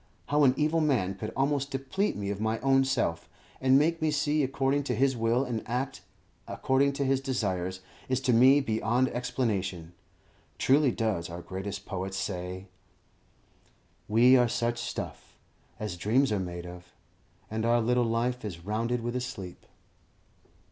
How an evil man could almost deplete me of my own self, and make me see according to his will and act according to his desires, is to me beyond explanation. Truly does our greatest poet say "We are such stuff As dreams are made of, and our little life Is rounded with a sleep."